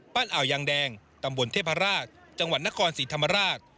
อ่าวยางแดงตำบลเทพราชจังหวัดนครศรีธรรมราช